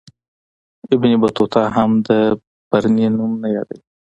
ابن بطوطه هم د برني نوم نه یادوي.